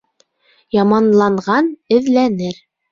Яманланған эҙләнер